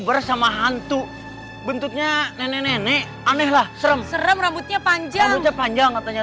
bersama hantu bentuknya nenek nenek aneh lah serem serem rambutnya panjang panjang katanya